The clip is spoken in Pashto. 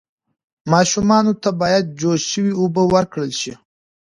ماشومانو ته باید جوش شوې اوبه ورکړل شي.